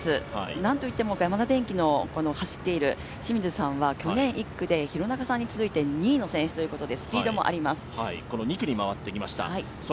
なんといってもヤマダ電機の清水さんは去年１区で廣中さんに続いて２位の選手ということで２区に回ってきました。